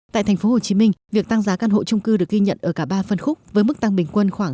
tại tp hcm việc tăng giá căn hộ chung cư được ghi nhận ở cả ba phân khúc với mức tăng bình quân khoảng bảy mươi bảy